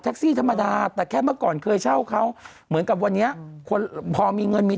ซี่ธรรมดาแต่แค่เมื่อก่อนเคยเช่าเขาเหมือนกับวันนี้คนพอมีเงินมี